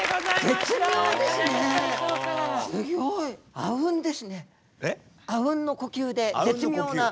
あうんの呼吸で絶妙な。